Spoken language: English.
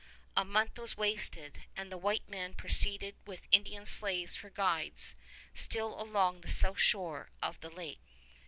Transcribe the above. A month was wasted, and the white men proceeded with Indian slaves for guides, still along the south shore of the lake.